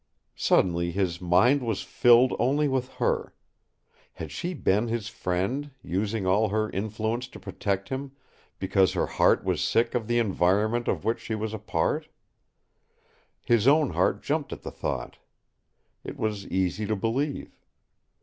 Suddenly his mind was filled only with her. Had she been his friend, using all her influence to protect him, because her heart was sick of the environment of which she was a part? His own heart jumped at the thought. It was easy to believe.